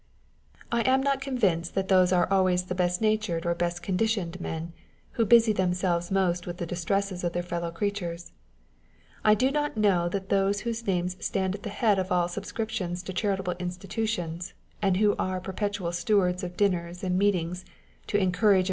I am not convinced that those are always the best natured or the best conditioned men, who busy themselves most with the distresses of their fellow creatures. I do not know that those whose names stand at the head of all subscriptions to charitable institutions, and who are per petual stewards of dinners and meetings to encourage aiw?